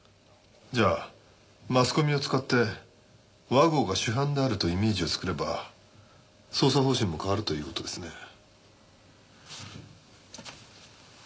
じゃあマスコミを使って和合が主犯であるというイメージを作れば捜査方針も変わるという事ですね。